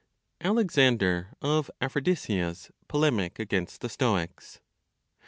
ALEXANDER OF APHRODISIA'S POLEMIC AGAINST THE STOICS.